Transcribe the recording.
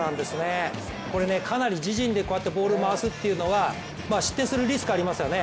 これかなり自陣でこうやってボールを回すというのは失点するリスクがありますよね。